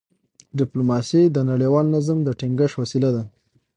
ډيپلوماسي د نړیوال نظم د ټینګښت وسیله ده.